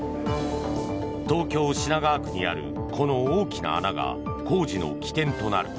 東京・品川区にあるこの大きな穴が工事の起点となる。